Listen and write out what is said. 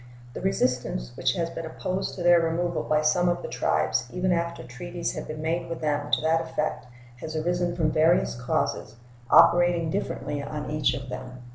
The resistance which has been opposed to their removal by some of the tribes even after treaties had been made with them to that effect has arisen from various causes, operating differently on each of them.